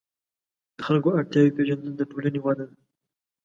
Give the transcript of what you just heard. د خلکو اړتیاوې پېژندل د ټولنې وده ده.